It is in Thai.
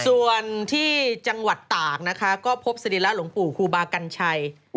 ส่วนที่จังหวัดตากนะคะก็พบสรีระหลวงปู่ครูบากัญชัย